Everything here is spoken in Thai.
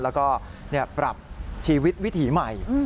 แล้วก็ปรับชีวิตวิถีใหม่